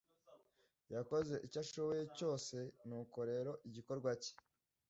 Yakoze icyo ashoboye cyose; nuko rero igikorwa cye